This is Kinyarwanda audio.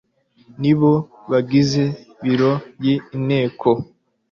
nibo bagize biro y Inteko